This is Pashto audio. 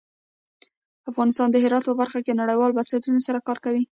افغانستان د هرات په برخه کې نړیوالو بنسټونو سره کار کوي.